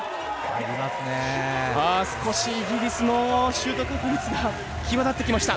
少しイギリスのシュート確率が際立ってきました。